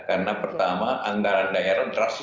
karena pertama anggaran daerah terasa susah